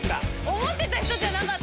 思ってた人じゃなかった。